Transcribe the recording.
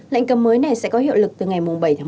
lệnh cầm mới này sẽ có hiệu lực từ ngày bảy một mươi